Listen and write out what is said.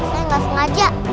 saya gak sengaja